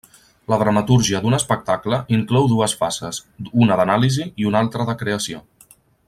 La dramatúrgia d'un espectacle inclou dues fases, una d'anàlisi i una altra de creació.